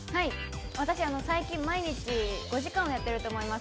最近毎日５時間やってると思います。